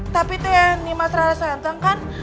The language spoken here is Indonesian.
tapi teh nih mas rara santang kan